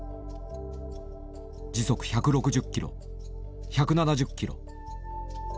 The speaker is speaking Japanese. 時速１６０キロ１７０キロ。